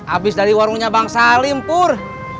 abis dari warungnya bang salim pur